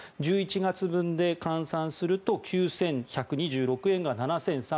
１１月分で換算すると９１２６円が７３０６円。